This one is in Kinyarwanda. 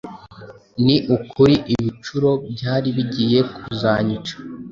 Ni ukuri ibicuro byari bigiye kuzanyica! I